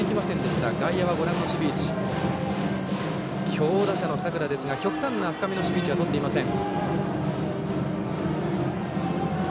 強打者の佐倉ですが外野は極端な深めの守備位置はとっていません。